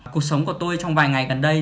cuộc sống của tôi trong vài ngày gần đây